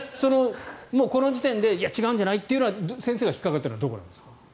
もうこの時点でいや、違うんじゃないって先生が引っかかってるのはどこなんですか？